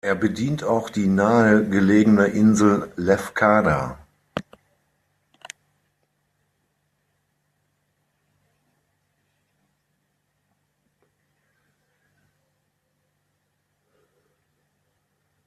Er bedient auch die nahegelegene Insel Lefkada.